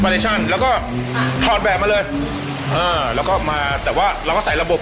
เลชั่นแล้วก็ถอดแบบมาเลยเออแล้วก็มาแต่ว่าเราก็ใส่ระบบ